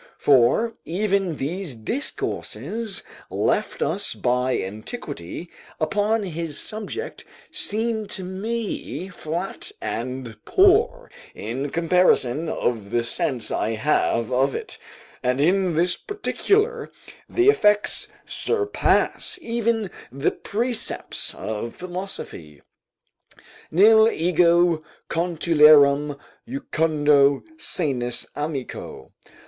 For even these discourses left us by antiquity upon this subject, seem to me flat and poor, in comparison of the sense I have of it, and in this particular, the effects surpass even the precepts of philosophy. "Nil ego contulerim jucundo sanus amico."